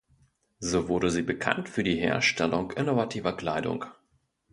So wurde sie bekannt für die Herstellung innovativer Kleidung.